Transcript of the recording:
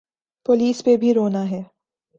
Police پہ بھی رونا ہے۔